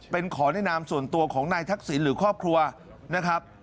เป็นขอแนะนำส่วนตัวของนายทักษิณหรือครอบครัวนะครับ